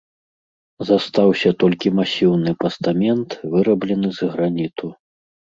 Застаўся толькі масіўны пастамент, выраблены з граніту.